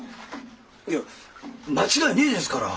いや間違いねえですから！